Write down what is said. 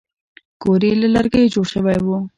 کور یې له لرګیو جوړ شوی و.